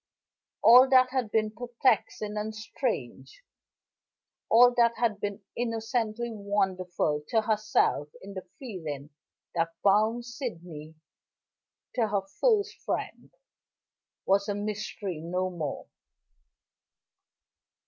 All that had been perplexing and strange, all that had been innocently wonderful to herself in the feeling that bound Sydney to her first friend, was a mystery no more.